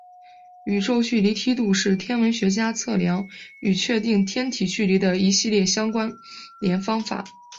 宇宙距离梯度是天文学家测量与确定天体距离的一系列相关联方法。